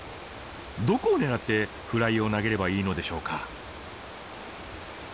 どこを狙ってフライを投げればいいのでしょうか？